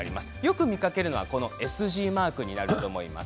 よく見かけるのはＳＧマークになると思います。